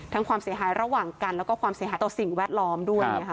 ความเสียหายระหว่างกันแล้วก็ความเสียหายต่อสิ่งแวดล้อมด้วยนะคะ